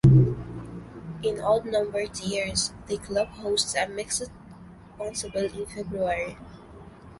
In odd numbered years the club hosts a mixed bonspiel in February.